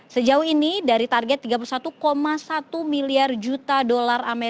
sejauh ini dari target tiga puluh satu satu miliar juta dolar